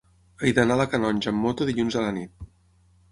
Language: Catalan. He d'anar a la Canonja amb moto dilluns a la nit.